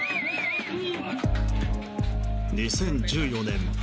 ２０１４年。